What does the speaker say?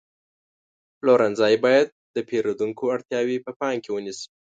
پلورنځی باید د پیرودونکو اړتیاوې په پام کې ونیسي.